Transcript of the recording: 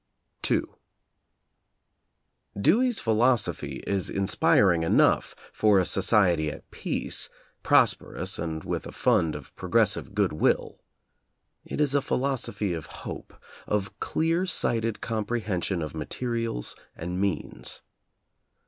ii Dewey's philosophy is inspiring enough for a society at peace, prosperous and with a fund of progressive good will. It is a philosophy of hope, of clear sighted comprehension of materials and means.